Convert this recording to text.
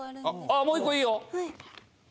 あもう１個いいよ。